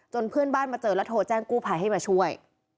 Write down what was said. เพื่อนบ้านมาเจอแล้วโทรแจ้งกู้ภัยให้มาช่วย